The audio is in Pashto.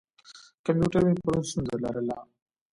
کمپیوټر مې پرون ستونزه لرله.